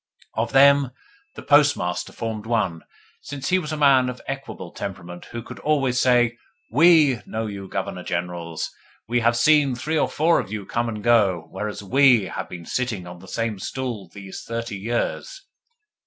Of them the Postmaster formed one, since he was a man of equable temperament who could always say: "WE know you, Governor Generals! We have seen three or four of you come and go, whereas WE have been sitting on the same stools these thirty years."